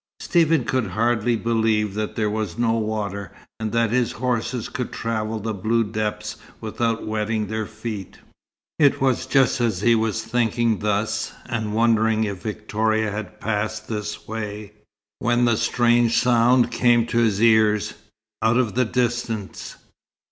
Stephen could hardly believe that there was no water, and that his horses could travel the blue depths without wetting their feet. It was just as he was thinking thus, and wondering if Victoria had passed this way, when the strange sound came to his ears, out of the distance.